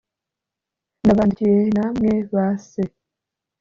ndabandikiye namwe ba se